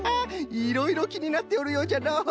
いろいろきになっておるようじゃの。